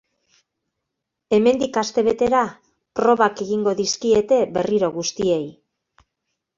Hemendik astebetera probak egingo dizkiete berriro guztiei.